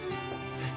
えっ？